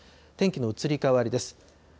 天気の移り変わりです。